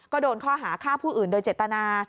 ก็โดนข้อหาฆ่าผู้อื่นโดยเจตนา